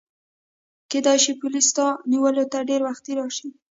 کیدای شي پولیس ستا نیولو ته ډېر وختي راشي.